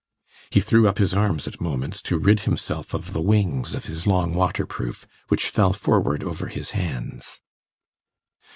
He threw up his arms at moments, to rid himself of the wings of his long waterproof, which fell forward over his hands.